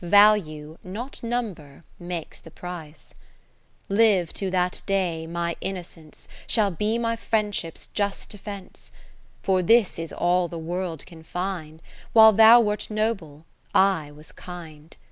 Value, not number, makes the price. ( 537 ) IV Live to that day, my Innocence Shall be my Friendship's just defence : For this is all the World can find. While thou wert noble, I was kind.